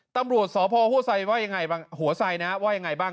ตำรวจสภหัวไทยว่าอย่างไรบ้าง